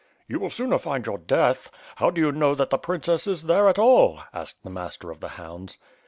"You will sooner find your death. How do you know that the princess is there at all?" asked the Master of the Hounds.